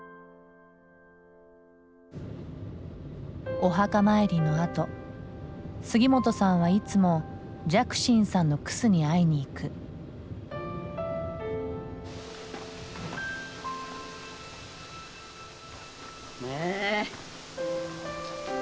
お墓参りのあと杉本さんはいつも寂心さんのクスに会いに行く。ねすごい！